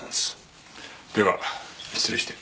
では失礼して。